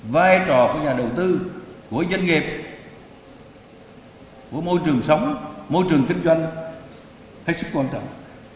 vai trò của nhà đầu tư của doanh nghiệp của môi trường sống môi trường kinh doanh hết sức quan trọng